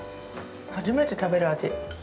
初めて食べる味。